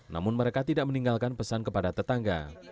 namun mereka tidak meninggalkan pesan kepada tetangga